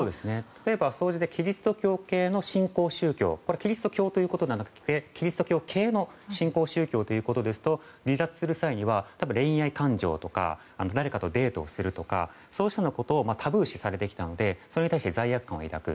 例えばキリスト教系の新興宗教キリスト教ということではなくてキリスト教系の新興宗教ということですと離脱する際には、恋愛感情とか誰かとデートするとかそういうことをタブー視されてきたのでそれに対して罪悪感を抱く。